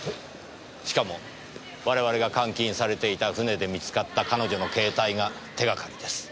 しかも我々が監禁されていた船で見つかった彼女の携帯が手がかりです。